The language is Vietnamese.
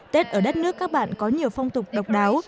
tết ở đất nước các bạn có nhiều phong tục độc đáo